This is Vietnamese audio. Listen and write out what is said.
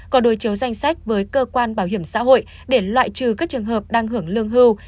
có đối chiếu danh sách với cơ quan bảo hiểm xã hội để loại trừ các trường hợp đang hưởng lương hưu